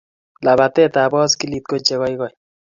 lapatetap ap boskilit ko cheikoikoyo